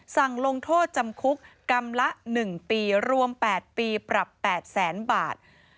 สั่งลงโทษจำคุกกรรมละ๑ปีรวม๘ปีปรับ๘แสนบาท